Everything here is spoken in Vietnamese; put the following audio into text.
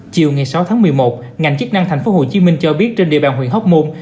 chiều sáu một mươi một ngành chức năng tp hcm cho biết trên địa bàn huyện hóc môn